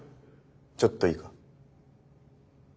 ちょっといいか？